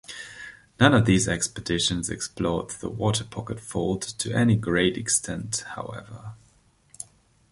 None of these expeditions explored the Waterpocket Fold to any great extent, however.